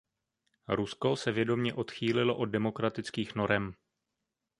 Rusko se vědomě odchýlilo od demokratických norem.